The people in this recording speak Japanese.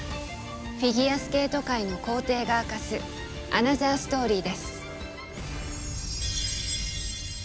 フィギュアスケート界の皇帝が明かすアナザーストーリーです。